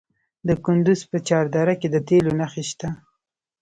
د کندز په چهار دره کې د تیلو نښې شته.